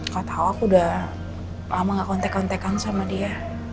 kau tahu aku udah lama gak kontak kontakan sama dia